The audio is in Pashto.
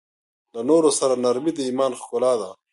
له نورو سره نرمي د ایمان ښکلا ده.